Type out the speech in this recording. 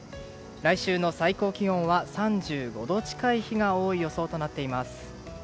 来週の最高気温は３５度近い日が多い予想となっています。